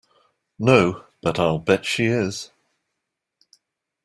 No, but I'll bet she is.